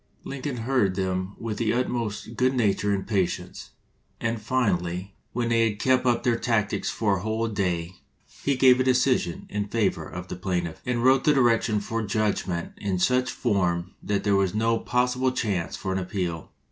Lincoln heard them with the utmost good nature and patience, and finally, when they had kept up their tactics for a whole day, he gave a decision in favor of the plaintiff, and wrote the direction for judgment in such form that there was no possible chance for an appeal.